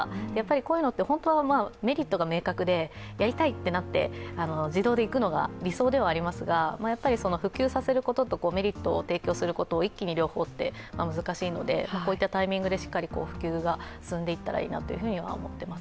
こういうのって、本当はメリットが明確で、やりたいってなって自動で行くのが理想ではありますが、普及させることとメリットを提供することを一気に両方は難しいので、こういったタイミングでしっかり普及が進んでいったらいいと思います。